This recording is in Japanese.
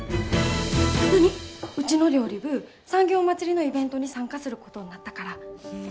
うちの料理部産業まつりのイベントに参加することになったから。